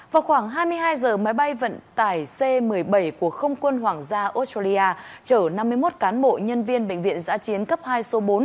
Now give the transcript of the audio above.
vào khoảng hai mươi hai giờ máy bay vận tải c một mươi bảy của không quân hoàng gia australia chở năm mươi một cán bộ nhân viên bệnh viện giã chiến cấp hai số bốn